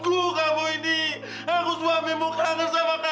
tak tunggu kamu ini aku suami mau kangen sama kamu sri